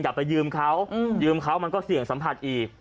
อย่าไปยืมเขายืมเขามันก็เสี่ยงสัมผัสอีก